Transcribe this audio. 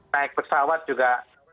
naik pesawat juga